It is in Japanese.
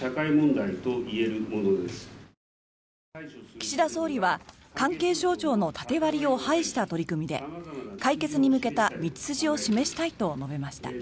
岸田総理は関係省庁の縦割りを排した取り組みで解決に向けた道筋を示したいと述べました。